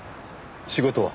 仕事は？